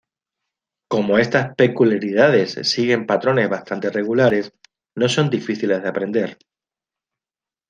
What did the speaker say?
Como estas peculiaridades siguen patrones bastante regulares, no son difíciles de aprender.